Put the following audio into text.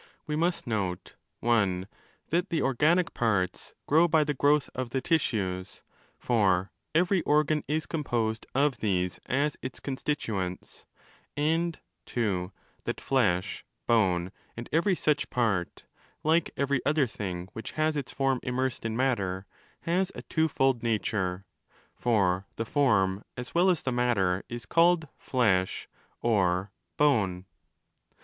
We must note (i) that the organic parts ὃ grow by the growth of the tissues* (for every organ is composed of these as its constituents) ; and (ii) that flesh, 20 bone, and every such part °—like every other thing which has its form immersed in matter—has a twofold nature: for the form as well as the matter is called 'flesh' or ' bone'.